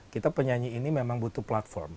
kita penyanyi ini memang butuh platform